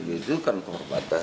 itu kan penghormatan